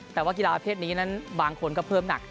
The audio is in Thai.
แต่ว่ากีฬาประเภทนี้นั้นบางคนก็เพิ่มหนัก